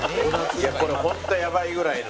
いやこれホントやばいぐらいの。